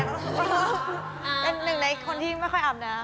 เป็นหนึ่งในคนที่ไม่ค่อยอาบน้ำ